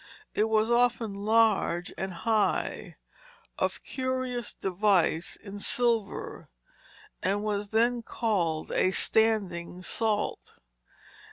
It was often large and high, of curious device in silver, and was then called a standing salt.